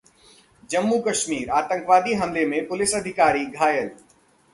जम्मू-कश्मीर: आतंकवादी हमले में पुलिस अधिकारी घायल